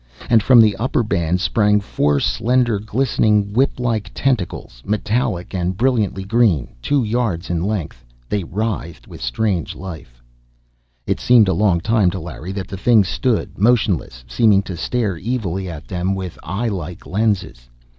And from the upper band sprang four slender, glistening, whip like tentacles, metallic and brilliantly green, two yards in length. They writhed with strange life! It seemed a long time to Larry that the thing stood, motionless, seeming to stare evilly at them with eye like lenses.